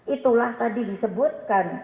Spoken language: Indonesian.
itulah tadi disebutkan